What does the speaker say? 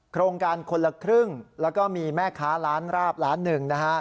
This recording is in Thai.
โครงการคนละครึ่งแล้วก็มีแม่ค้าร้านราบล้านหนึ่งนะฮะ